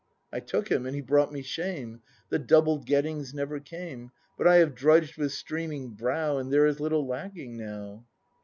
I took him, and he brought me shame. The doubled gettings never came. But I have drudged with streaming brow. And there is little lacking now.